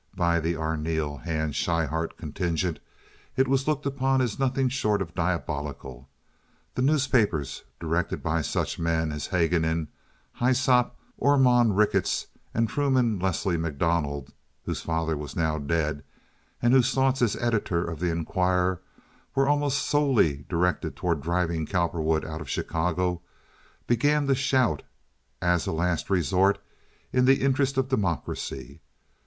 By the Arneel Hand Schryhart contingent it was looked upon as nothing short of diabolical. The newspapers, directed by such men as Haguenin, Hyssop, Ormonde Ricketts, and Truman Leslie MacDonald (whose father was now dead, and whose thoughts as editor of the Inquirer were almost solely directed toward driving Cowperwood out of Chicago), began to shout, as a last resort, in the interests of democracy.